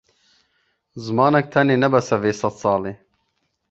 Zimanek tenê ne bes e vê sedsalê.